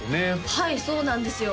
はいそうなんですよ